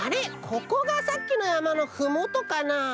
ここがさっきのやまのふもとかな？